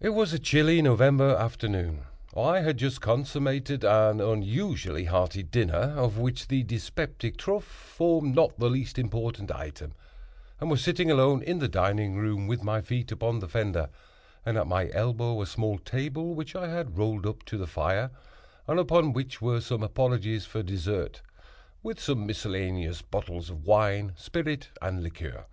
It was a chilly November afternoon. I had just consummated an unusually hearty dinner, of which the dyspeptic truffe formed not the least important item, and was sitting alone in the dining room, with my feet upon the fender, and at my elbow a small table which I had rolled up to the fire, and upon which were some apologies for dessert, with some miscellaneous bottles of wine, spirit and liqueur.